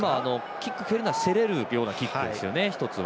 キックを蹴るのは競られるようなキックですよね。